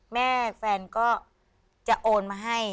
แฟนก็จะโอนมาให้